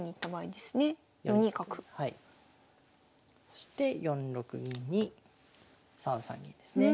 そして４六銀に３三銀ですね。